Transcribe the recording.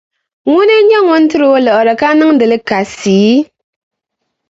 Ŋuna n-nyɛ ŋun tiri o liɣiri, ka niŋdi li kasi?